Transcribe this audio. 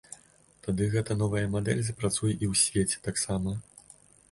Тады гэтая новая мадэль запрацуе і ў свеце таксама.